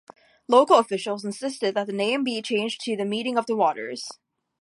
Local officials insisted that the name be changed to "The Meeting of the Waters".